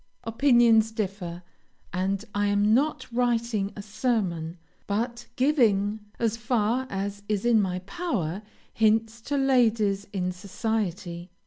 Opinions differ, and I am not writing a sermon, but giving, as far as is in my power, hints to ladies in society.